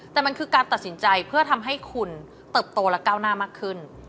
แต่มันคือการตัดสินใจเพื่อทำให้คุณเติบโตและก้าวหน้ามากขึ้น